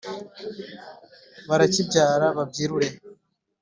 barakibyara babyirure.